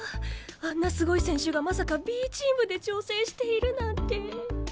あんなすごい選手がまさかＢチームで調整しているなんて。